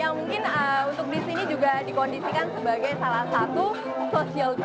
ya mungkin untuk di sini juga dikondisikan sebagai salah satu social dance orang menyebutnya